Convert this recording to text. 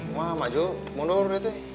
ma maju mundur deh